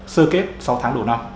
sơ kết sáu tháng năm